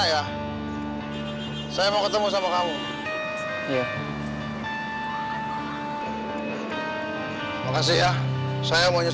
iya terima kasih mas